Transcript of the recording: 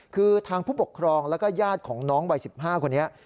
คือทางผู้ปกครองแล้วก็ญาติของน้องวัย๑๕คนนี้